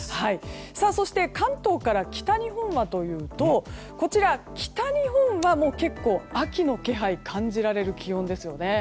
そして関東から北日本はというとこちら、北日本は結構、秋の気配が感じられる気温ですよね。